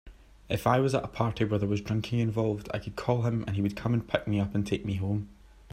If I was at a party where there was drinking involved, I could call him and he would come pick me up and take me home.